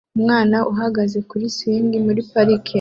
Umwana uhagaze kuri swing muri parike